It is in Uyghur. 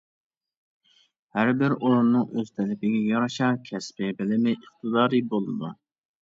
ھەربىر ئورۇننىڭ ئۆز تەلىپىگە يارىشا كەسپى بىلىمى، ئىقتىدارى بولىدۇ.